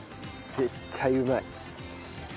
絶対うまい。